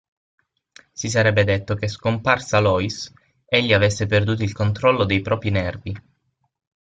Si sarebbe detto che, scomparsa Lois, egli avesse perduto il controllo dei propri nervi.